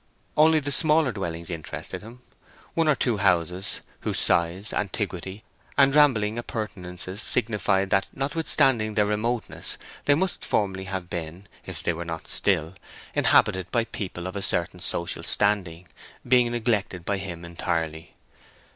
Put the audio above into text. Only the smaller dwellings interested him; one or two houses, whose size, antiquity, and rambling appurtenances signified that notwithstanding their remoteness they must formerly have been, if they were not still, inhabited by people of a certain social standing, being neglected by him entirely.